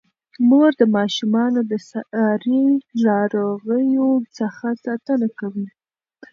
مور د ماشومانو د ساري ناروغیو څخه ساتنه کوي.